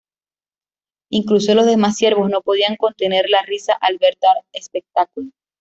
Incluso los demás siervos no podían contener la risa al ver tal espectáculo.